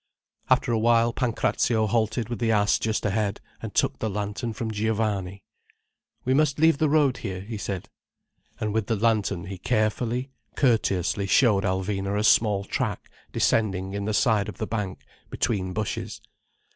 After a while, Pancrazio halted with the ass just ahead, and took the lantern from Giovanni. "We must leave the road here," he said. And with the lantern he carefully, courteously showed Alvina a small track descending in the side of the bank, between bushes.